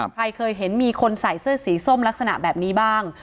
ใครเคยเห็นมีคนใส่เสื้อสีส้มลักษณะแบบนี้บ้าง